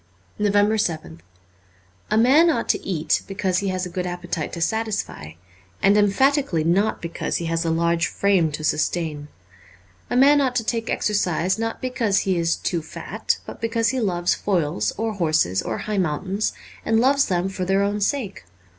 346 NOVEMBER 7th A MAN ought to eat because he has a good appetite to satisfy, and emphatically not because he has a large frame to sustain. A man ought to take exercise not because he is too fat, but because he loves foils or horses or high mountains, and loves them for their own sake.